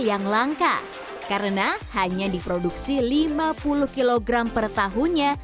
yang langka karena hanya diproduksi lima puluh kg per tahunnya